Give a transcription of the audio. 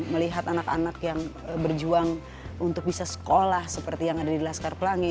melihat anak anak yang berjuang untuk bisa sekolah seperti yang ada di laskar pelangi